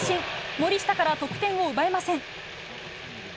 森下から得点を奪えません。